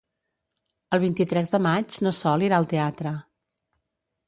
El vint-i-tres de maig na Sol irà al teatre.